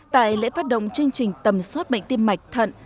tại lễ phát động chương trình tầm suốt bệnh tiêm mạch thận